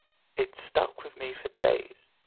It stuck with me for days.